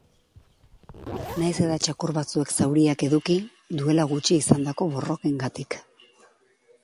Nahiz eta txakur batzuek zauriak eduki, duela gutxi izandako borrokengatik.